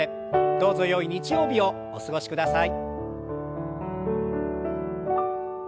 どうぞよい日曜日をお過ごしください。